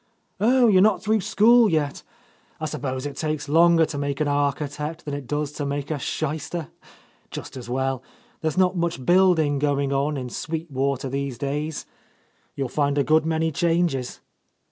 "Oh, you're not through school yet? I sup pose it takes longer to make an architect than it does to make a shyster. Just as well; there's not much building going on in Sweet Water these days. You'll find a good many changes."